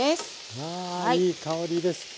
あいい香りです。